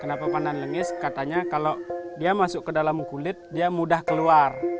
kenapa pandan lengis katanya kalau dia masuk ke dalam kulit dia mudah keluar